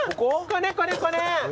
これこれこれ。